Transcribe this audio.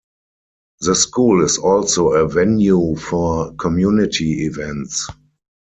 The school is also a venue for community events.